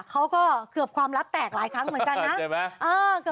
เขาก็เกือบความลับแตกหลายครั้งเหมือนกันนะใช่ไหม